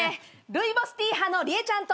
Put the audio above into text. ルイボスティー派のりえちゃんと。